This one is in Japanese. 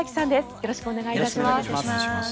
よろしくお願いします。